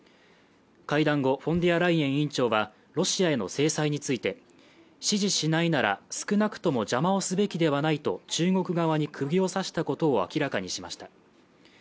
会談後、フォンデアライエン委員長は、ロシアへの制裁について、支持しないなら少なくとも邪魔をすべきではないと中国側にくぎを刺したことを明らかにしました。